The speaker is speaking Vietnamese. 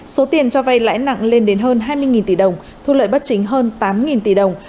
số tiền cho vay lãi nặng lên đến hơn hai mươi tỷ đồng thu lợi bất chính hơn tám tỷ đồng